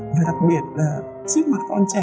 và đặc biệt là trước mặt con trẻ